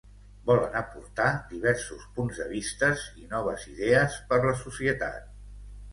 Volen aportar diversos punts de vistes i noves idees per la societat.